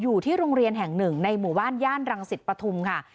อยู่ที่โรงเรียนแห่งหนึ่งในหมู่บ้านย่านรังสิตปฐุมค่ะ